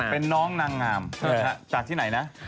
เป็นน้องนางงามจากที่ไหนนะ